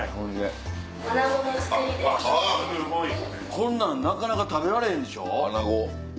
こんなんなかなか食べられへんでしょ。